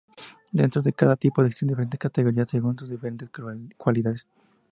Dentro de cada tipo existen diferentes categorías según sus diferentes calidades.